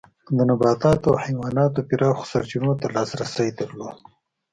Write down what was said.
د نباتاتو او حیواناتو پراخو سرچینو ته لاسرسی درلود.